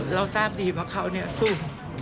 เราทราบดีว่าเขาเนี่ยสู้